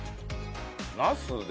ナスで。